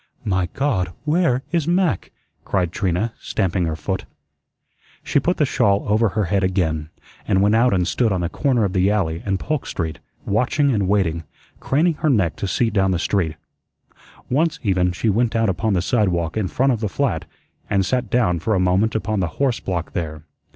"My God, where is Mac?" cried Trina, stamping her foot. She put the shawl over her head again, and went out and stood on the corner of the alley and Polk Street, watching and waiting, craning her neck to see down the street. Once, even, she went out upon the sidewalk in front of the flat and sat down for a moment upon the horse block there.